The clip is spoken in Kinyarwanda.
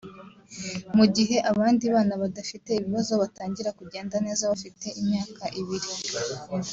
Mu gihe abandi bana badafite ibibazo batangira kugenda neza bafite imyaka ibiri